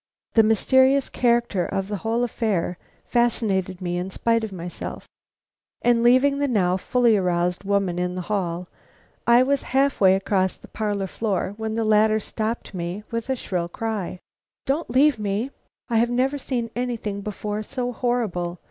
The mysterious character of the whole affair fascinated me in spite of myself, and leaving the now fully aroused woman in the hall, I was half way across the parlor floor when the latter stopped me with a shrill cry: "Don't leave me! I have never seen anything before so horrible.